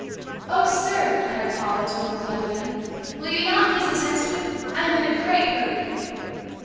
"Oh, sir," cried Paula, to one of the young men, "will you not please attend to me? I'm in a great hurry."